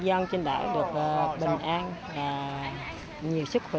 gia đình cũng được bình an và nhiều sức khỏe